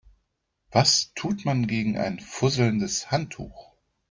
Was tut man gegen ein fusselndes Handtuch?